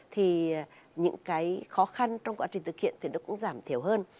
thực hiện thì nó cũng giảm thiểu hơn